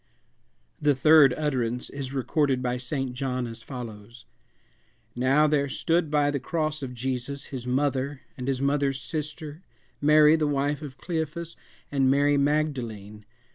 The third utterance is recorded by St. John as follows: "Now there stood by the cross of Jesus his mother, and his mother's sister, Mary the wife of Cleophas, and Mary Magdalene.